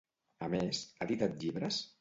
A més, ha editat llibres?